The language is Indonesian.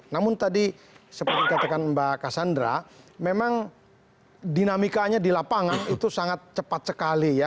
namun tadi seperti katakan mbak cassandra memang dinamikanya di lapangan itu sangat cepat sekali ya